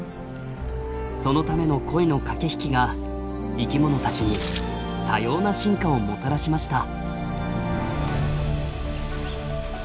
そのための恋の駆け引きが生きものたちに多様な進化をもたらしました。